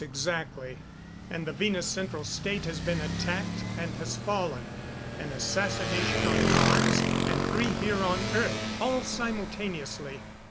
Exactly. And the Venus Central State has been attacked and has fallen. An assassination on Mars, and three here on Earth all simultaneously.